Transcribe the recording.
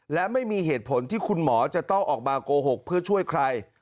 และไม่มีเหตุผลที่คุณหมอจะต้องออกมาโกหกเพื่อช่วยใคร